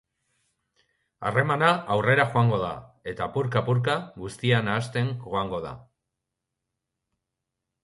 Harremana aurrera joango da eta apurka-apurka guztia nahasten joango da.